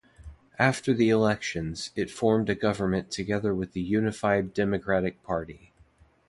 After the elections it formed a government together with the Unified Democratic Party.